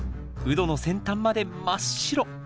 ウドの先端まで真っ白！